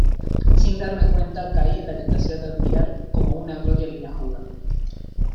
sin darme cuenta caí en la tentación de admirar como una gloria linajuda